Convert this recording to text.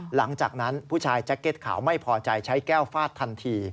หลังจากนั้นผู้ชายแจ็คเก็ตขาวไม่พอใจใช้แก้วฟาดทันที